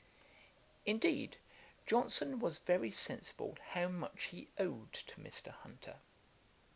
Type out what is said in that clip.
] Indeed Johnson was very sensible how much he owed to Mr. Hunter.